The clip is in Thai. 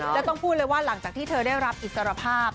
แล้วต้องพูดเลยว่าหลังจากที่เธอได้รับอิสรภาพ